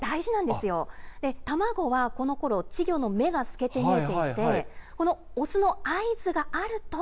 で、卵はこのころ、稚魚の目が透けて見えていて、この雄の合図があると。